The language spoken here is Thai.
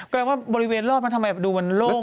แสดงว่าบริเวณรอบมันทำไมดูมันโล่ง